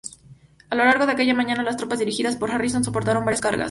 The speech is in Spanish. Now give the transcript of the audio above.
A lo largo de aquella mañana las tropas dirigidas por Harrison soportaron varias cargas.